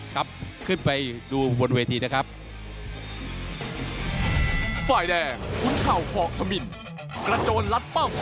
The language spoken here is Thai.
ครับขึ้นไปดูบนเวทีนะครับ